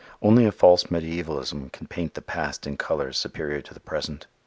Only a false mediævalism can paint the past in colors superior to the present.